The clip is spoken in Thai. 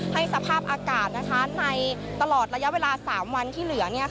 สภาพอากาศในตลอดระยะเวลา๓วันที่เหลือ